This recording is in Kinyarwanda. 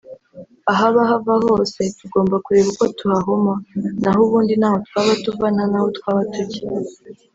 Ahaba hava hose tugomba kureba uko tuhahoma naho ubundi ntaho twaba tuva ntanaho twaba tujya